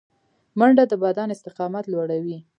منډه د بدن استقامت لوړوي